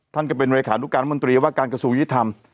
ท่านก็เป็นเลขานุการมนตรีว่าการกระทรวงยุทธรรม